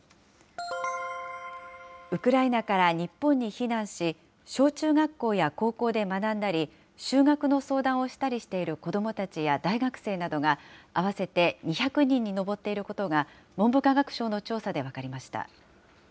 ウクライナから日本に避難し、小中学校や高校で学んだり、就学の相談をしたりしている子どもたちや大学生などが、合わせて２００人に上っていることが、文部科学省の調査で分かりました。